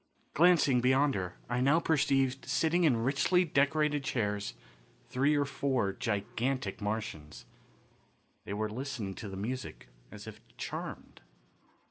Glancing beyond her, I now perceived sitting in richly decorated chairs three or four gigantic Martians. They were listening to the music as if charmed.